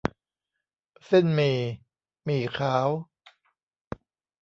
เส้นหมี่ หมี่ขาว